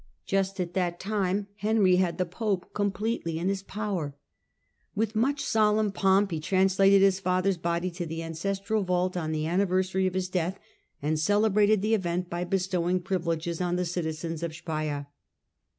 Just at that time Henry had the pope completely in his power. With much solemn pomp he translated his father's body to the ancestral vault on the anniversary of his death, and celebrated the event by bestowing privileges on the citizens of Speier.